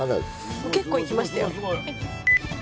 結構行きましたよ。